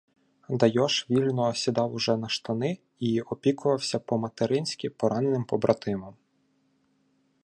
Дайош вільно сідав уже на "штани" і опікувався по-материнськи пораненим побратимом.